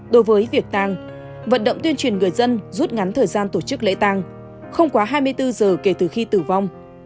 đối với việc tang vận động tuyên truyền người dân rút ngắn thời gian tổ chức lễ tang không quá hai mươi bốn h kể từ khi tử vong